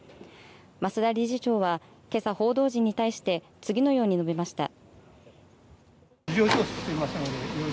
増田理事長はけさ報道陣に対して次のように述べました。